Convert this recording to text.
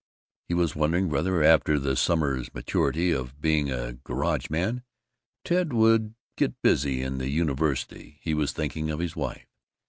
He was wondering whether, after the summer's maturity of being a garageman, Ted would "get busy" in the university. He was thinking of his wife.